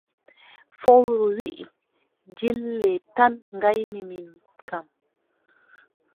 Fowru wii: dile tan ngaymi min kam!